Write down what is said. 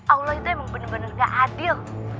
allah itu emang bener bener gak adil